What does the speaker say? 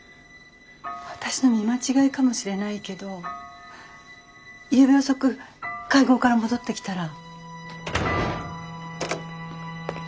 私の見間違いかもしれないけどゆうべ遅く会合から戻ってきたら。